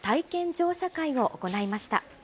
乗車会を行いました。